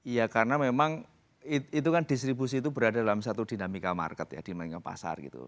ya karena memang itu kan distribusi itu berada dalam satu dinamika market ya dinamika pasar gitu